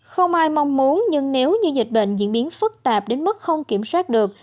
không ai mong muốn nhưng nếu như dịch bệnh diễn biến phức tạp đến mức không kiểm soát được